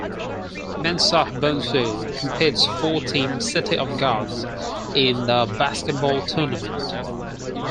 Mensah-Bonsu competes for Team City of Gods in The Basketball Tournament.